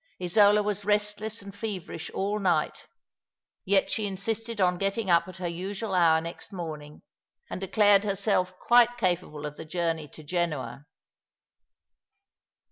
Isola was restless and feverish all night, yet she insisted on getting up at her usual hour next morning, and declared herself quite capable of the journey to Genoa.